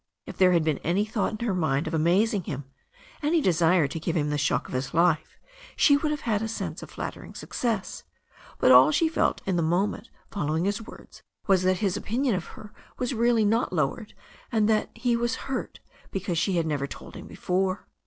If there had been any thought in her mind of amazing him, any desire to give him the shock of his life, she would have had a sense of flattering success, but all she felt in the mo ment following his words was that his opinion of her was really not lowered, and then that he was hurt because she had never told him before.